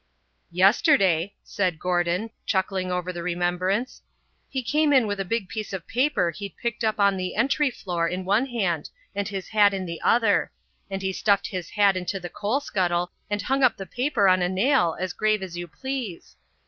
"Yesterday," said Gordon, chuckling over the remembrance, "he came in with a big piece of paper he'd picked up on the entry floor in one hand and his hat in the other and he stuffed his hat into the coal scuttle and hung up the paper on a nail as grave as you please.